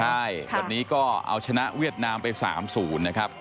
ใช่วันนี้ก็เอาชนะเวียดนามไป๓๐นะครับ